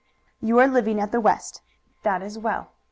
You are living at the West. That is well.